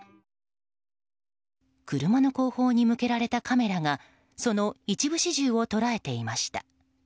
車の後方に向けられたカメラがその一部始終を捉えていました。